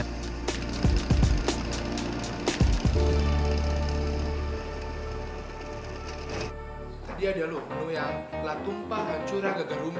tadi ada lu lu yang telah tumpah hancur agak agak rumpit